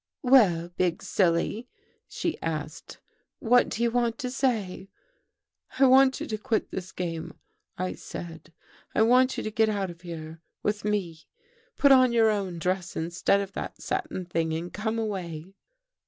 ' Well, big silly? ' she asked. ' What do you want to say? '"' I want you to quit this game,' I said. * I want you to get out of here — with me. Put on your own dress instead of that satin thing and come away.